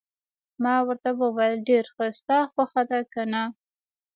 ما ورته وویل: ډېر ښه، ستا خوښه ده، که نه؟